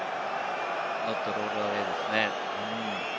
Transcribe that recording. ノットロールアウェイですね。